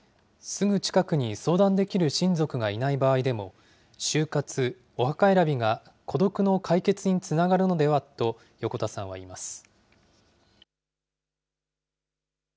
すぐ近くに相談できる親族がいない場合でも、終活、お墓選びが孤独の解決につながるのではと、横田さんは言います。